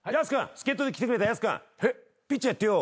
助っ人で来てくれたやす君ピッチャーやってよ。